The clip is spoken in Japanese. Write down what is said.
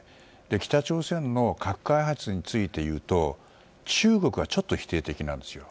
北朝鮮の核開発について言うと中国はちょっと否定的なんです。